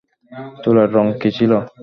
চুলের রঙ কী ছিল?